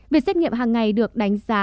việc xét nghiệm hàng ngày được đánh giá